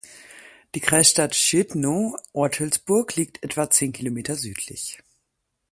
Die Kreisstadt Szczytno "(Ortelsburg)" liegt etwa zehn Kilometer südlich.